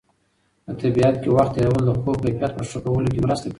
په طبیعت کې وخت تېرول د خوب کیفیت په ښه کولو کې مرسته کوي.